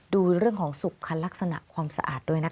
ดูเรื่องของสุขลักษณะความสะอาดด้วยนะคะ